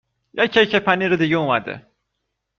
یک کیک پنیر دیگه اومده